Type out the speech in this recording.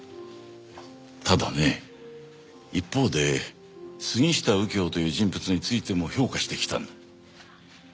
ただね一方で杉下右京という人物についても評価してきたんだ。